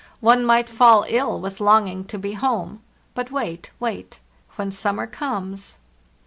One might fall ill with longing to be home. But wait, wait; when summer comes.